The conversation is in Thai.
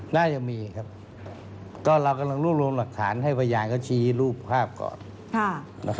น่าจะมีครับก็เรากำลังรวบรวมหลักฐานให้พยานเขาชี้รูปภาพก่อน